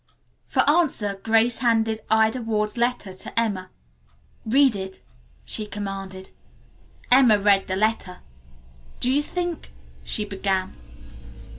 For answer Grace handed Ida Ward's letter to Emma. "Read it," she commanded. Emma read the letter. "Do you think " she began.